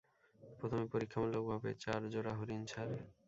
প্রথমে পরীক্ষামূলকভাবে চার জোড়া হরিণ ছাড়ে।